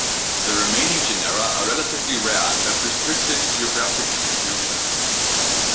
The remaining genera are relatively rare and have restricted geographic distributions.